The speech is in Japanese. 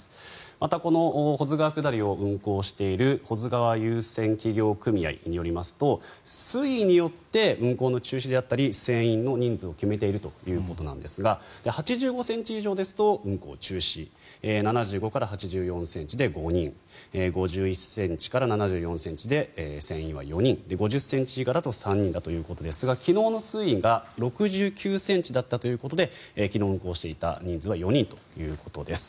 また、この保津川下りを運航している保津川遊船企業組合によりますと水位によって運航の中止であったり船員の人数を決めているということなんですが８５ｃｍ以上ですと運航中止７５から８４ｃｍで５人５１ｃｍから７４ｃｍで船員は４人５０ｃｍ以下だと３人だということですが昨日の水位が６９ｃｍだったということで昨日、運航していた人数は４人ということです。